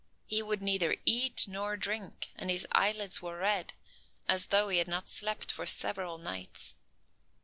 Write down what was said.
He would neither eat nor drink, and his eyelids were red, as though he had not slept for several nights.